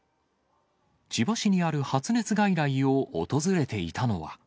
千葉市にある発熱外来を訪れていたのは。